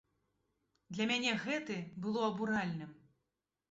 Для мяне гэты было абуральным.